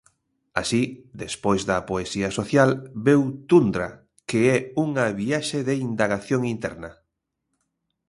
Así, despois da poesía social, veu Tundra, que é unha viaxe de indagación interna.